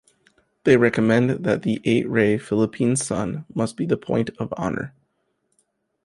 They recommended that the eight-ray Philippine sun must be the point of honor.